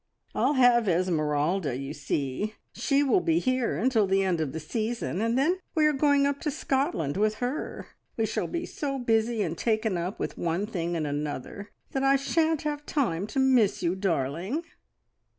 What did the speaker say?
"I'll have Esmeralda, you see! She will be here until the end of the season, and then we are going up to Scotland with her. We shall be so busy and taken up with one thing and another that I shan't have time to miss you, darling."